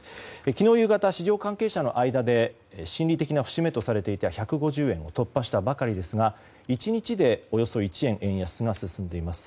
昨日夕方、市場関係者の間で心理的な節目とされていた１５０円を突破したばかりですが１日でおよそ１円円安が進んでいます。